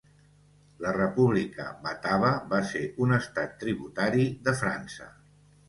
La República Batava va ser un estat tributari de França.